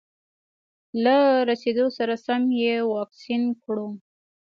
له رسېدو سره سم یې واکسین کړو.